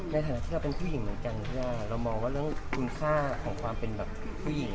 ในฐานะที่เราเป็นผู้หญิงเหมือนกันเรามองกันว่าขุนค้าของความเป็นผู้หญิง